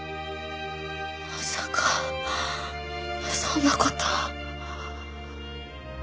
まさかそんな事。